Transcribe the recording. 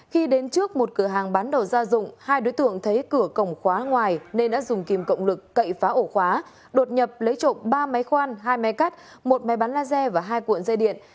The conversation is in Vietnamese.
khi đến trước một cửa hàng bán đồ gia dụng hai đối tượng thấy cửa cổng khóa ngoài nên đã dùng kìm cộng lực cậy phá ổ khóa đột nhập lấy trộm ba máy khoan hai máy cắt một máy bán laser và hai cuộn dây điện